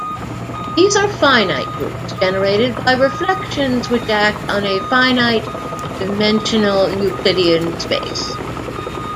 These are finite groups generated by reflections which act on a finite-dimensional Euclidean space.